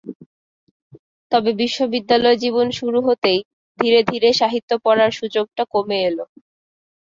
তবে বিশ্ববিদ্যালয়জীবন শুরু হতেই ধীরে ধীরে সাহিত্য পড়ার সুযোগটা কমে এল।